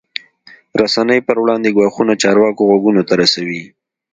رسنۍ پر وړاندې ګواښونه چارواکو غوږونو ته رسوي.